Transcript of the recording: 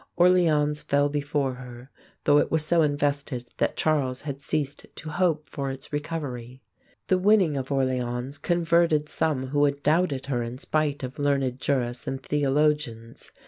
Orléans fell before her; though it was so invested that Charles had ceased to hope for its recovery. The winning of Orléans converted some who had doubted her in spite of learned jurists and theologians.